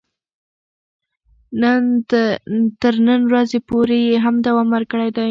تر نن ورځې پورې یې هم دوام ورکړی دی.